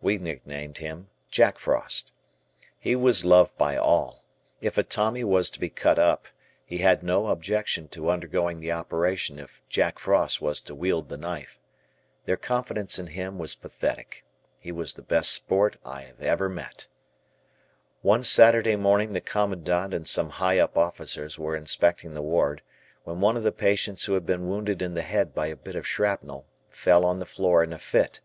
We nicknamed him "Jack Frost." He was loved by all. If a Tommy was to be cut up he had no objection to undergoing the operation if "Jack Frost" was to wield the knife. Their confidence in him was pathetic. He was the best sport I have ever met. One Saturday morning the Commandant and some "high up" officers were inspecting the ward, when one of the patients who had been wounded in the head by a bit of shrapnel, fell on the floor in a fit.